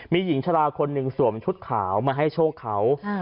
มีหญิงชะลาคนหนึ่งสวมชุดขาวมาให้โชคเขา